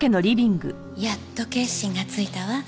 やっと決心がついたわ。